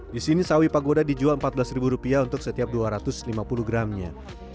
di sini sawi pagoda dijual rp empat belas untuk setiap dua ratus lima puluh gramnya